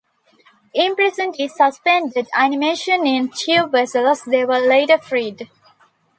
Imprisoned in suspended animation in tube vessels, they were later freed.